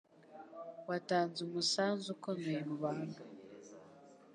Watanze umusanzu ukomeye mubantu